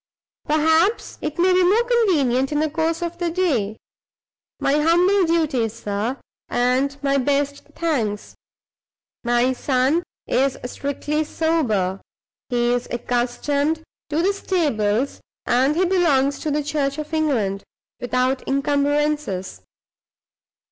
Perhaps it may be more convenient in the course of the day? My humble duty, sir, and my best thanks. My son is strictly sober. He is accustomed to the stables, and he belongs to the Church of England without incumbrances."